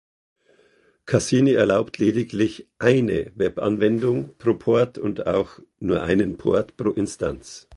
Cassini erlaubt lediglich "eine" Web-Anwendung pro Port und auch nur einen Port pro Instanz.